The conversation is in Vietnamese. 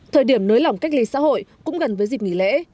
thời điểm nới lỏng cách ly xã hội cũng gần với dịp nghỉ lễ